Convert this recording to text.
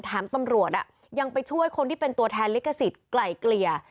ตำรวจยังไปช่วยคนที่เป็นตัวแทนลิขสิทธิ์ไกล่เกลี่ย